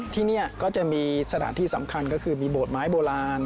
ที่นี่ก็จะมีสถานที่สำคัญก็คือมีโบสถไม้โบราณ